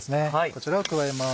こちらを加えます。